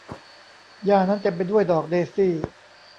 หญ้านั้นเต็มไปด้วยดอกเดซี่